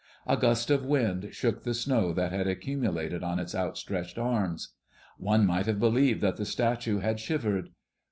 A gust of wind shook the snow that had accumulated on its outstretched arms. One might have believed that the statue had shivered.